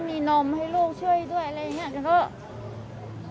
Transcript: ไม่มีนมให้ลูกด้วยอะไรอย่างนั้น